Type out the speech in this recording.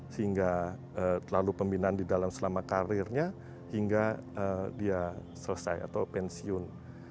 sehingga terlalu pembinaan di dalam selama karirnya hingga dia selesai atau pensiun